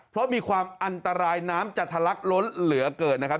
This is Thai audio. เพราะมีความอันตรายน้ำจะทะลักล้นเหลือเกินนะครับ